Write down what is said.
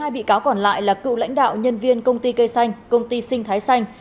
một mươi bị cáo còn lại là cựu lãnh đạo nhân viên công ty cây xanh công ty sinh thái xanh